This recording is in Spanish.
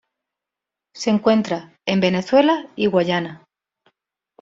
Se encuentra en Venezuela y Guayana.